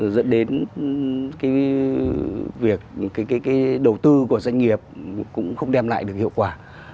những cái việc những cái đầu tư của doanh nghiệp cũng không đem lại được hiệu quả